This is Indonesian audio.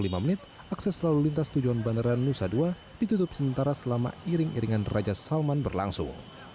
selama lima menit akses lalu lintas tujuan bandara nusa dua ditutup sementara selama iring iringan raja salman berlangsung